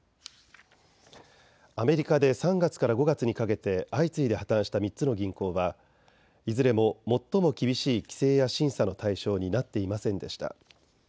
アメリカで３月から５月にかけて相次いで破綻した３つの銀行はいずれも最も厳しい規制や審査の対象になっていませんでした。